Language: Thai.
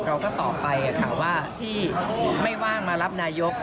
เราก็ตอบไปถามว่าที่ไม่ว่างมารับนายก